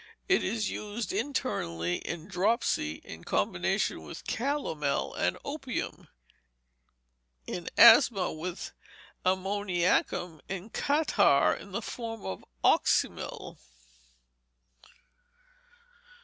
It is used internally in dropsy, in combination with calomel and opium; in asthma, with ammoniacum; in catarrh, in the form of oxymel.